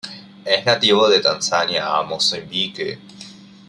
Es nativo de Tanzania a Mozambique.